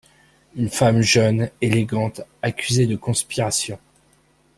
Une femme jeune, élégante, accusée de conspiration…